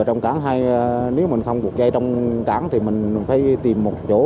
trong cảng hay nếu mình không buộc dây trong cảng thì mình phải tìm một chỗ